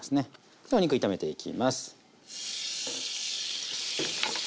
ではお肉炒めていきます。